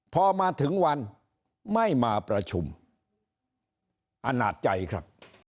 พอมาถึงวันไม่มาประชุมอาณาจใจครับ